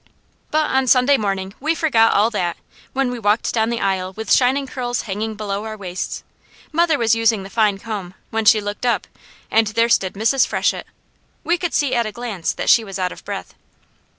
But on Sunday morning we forgot all that, when we walked down the aisle with shining curls hanging below our waists. Mother was using the fine comb, when she looked up, and there stood Mrs. Freshett. We could see at a glance that she was out of breath.